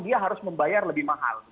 dia harus membayar lebih mahal